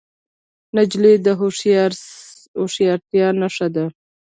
نجلۍ د هوښیارتیا نښه ده.